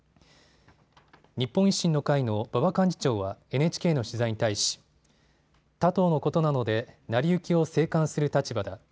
日本維新の会の馬場幹事長はＮＨＫの取材に対し他党ことなので成り行きを静観する立場だ。